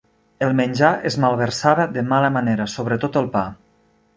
El menjar es malversava de mala manera, sobretot el pa.